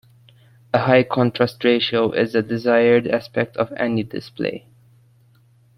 A high contrast ratio is a desired aspect of any display.